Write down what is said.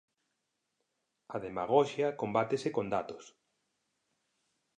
A demagoxia combátese con datos.